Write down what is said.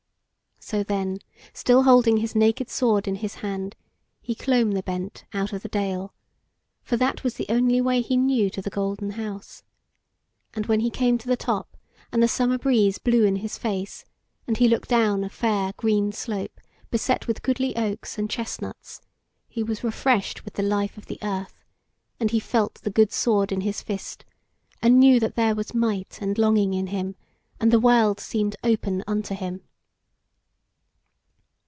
So then, still holding his naked sword in his hand, he clomb the bent out of the dale; for that was the only way he knew to the Golden House; and when he came to the top, and the summer breeze blew in his face, and he looked down a fair green slope beset with goodly oaks and chestnuts, he was refreshed with the life of the earth, and he felt the good sword in his fist, and knew that there was might and longing in him, and the world seemed open unto him.